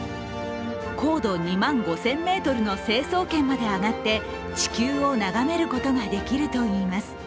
高度２万５０００ｍの成層圏まで上がって地球を眺めることができるといいます。